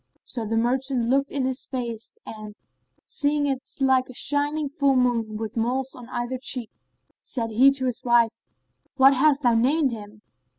So the merchant looked on his face and, seeing it like a shining full moon, with moles on either cheek, said he to his wife, "What hast thou named him?"